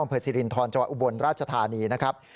สิรินทรจังหวัดอุบลราชธานีนะครับ